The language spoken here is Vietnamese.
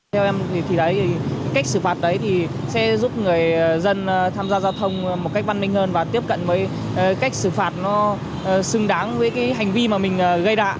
theo em thì đấy cách xử phạt đấy thì sẽ giúp người dân tham gia giao thông một cách văn minh hơn và tiếp cận với cách xử phạt nó xứng đáng với cái hành vi mà mình gây đạ